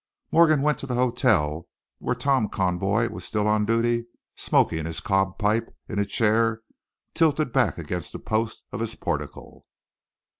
Morgan went to the hotel, where Tom Conboy was still on duty smoking his cob pipe in a chair tilted back against a post of his portico.